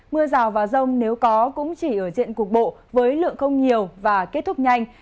mưa rào và rông nếu có cũng chỉ ở diện cục bộ với lượng không nhiều và kết thúc nhanh